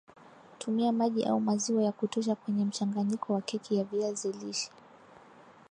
Tumia maji au maziwa ya kutosha kwenye mchanganyiko wa keki ya viazi lishe